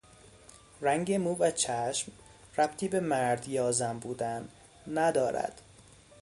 رنگ مو و چشم ربطی به مرد یا زن بودن ندارد.